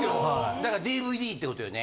だからＤＶＤって事よね？